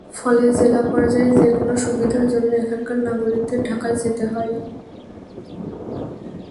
ফলে জেলা পর্যায়ে যেকোনো সুবিধার জন্য এখানকার নাগরিকদের ঢাকায় যেতে হয়।